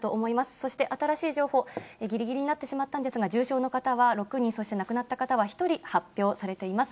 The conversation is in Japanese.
そして、新しい情報、ぎりぎりになってしまったんですが、重症の方は６人、そして亡くなった方は１人発表されています。